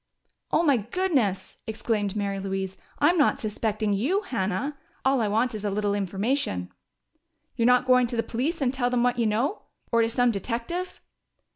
"Oh, my goodness!" exclaimed Mary Louise. "I'm not suspecting you, Hannah! All I want is a little information." "You're not going to the police and tell what you know? Or to some detective?"